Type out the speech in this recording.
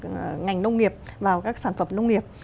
ngành nông nghiệp vào các sản phẩm nông nghiệp